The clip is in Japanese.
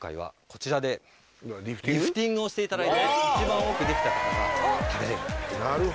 リフティングをしていただいて一番多くできた方が食べれる。